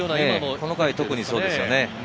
この回、特にそうですね。